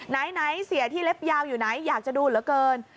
ไหนเสียที่เล็บยาวอยู่ไหนอยากจะดูเหลือเกิน